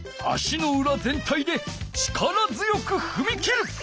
足のうら全体で力強くふみ切る。